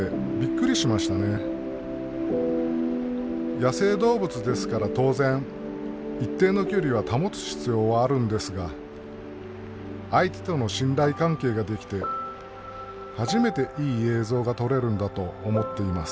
野生動物ですから当然一定の距離は保つ必要はあるんですが相手との信頼関係ができて初めていい映像が撮れるんだと思っています。